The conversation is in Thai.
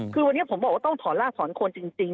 คือวันนี้ผมบอกว่าต้องถอนรากถอนคนจริง